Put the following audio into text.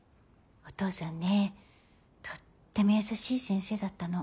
お父さんねとっても優しい先生だったの。